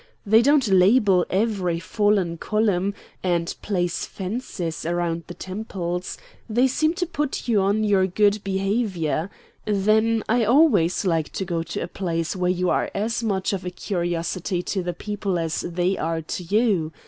They don't label every fallen column, and place fences around the temples. They seem to put you on your good behavior. Then I always like to go to a place where you are as much of a curiosity to the people as they are to you.